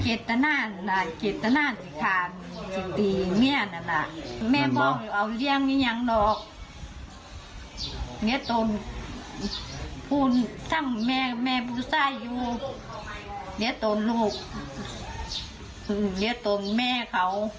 เจตนาจังไหนเจตนาสิครับสิตีแม่นั่นล่ะ